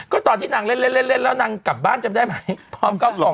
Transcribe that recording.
ก็ตอนที่นางเล่นเล่นแล้วนางกลับบ้านจำได้ไหมพร้อมข้าวกล่อง